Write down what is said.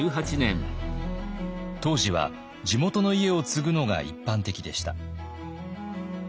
当時は地元の家を継ぐのが一般的でした。